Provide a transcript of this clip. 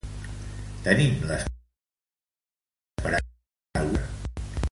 Tenim l’esperança que al març ens diguin alguna cosa.